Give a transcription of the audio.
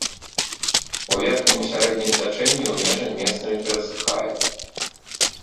У верхнім і сярэднім цячэнні ў межань месцамі перасыхае.